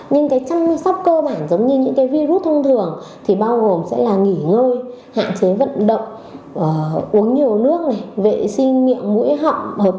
nhưng cái chăm sóc cơ bản giống như những cái virus thông thường thì bao gồm sẽ là nghỉ ngơi hạn chế vận động uống nhiều nước này vệ sinh miệng mũi họng